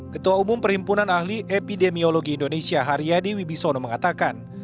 ketua umum perhimpunan ahli epidemiologi indonesia haryadi wibisono mengatakan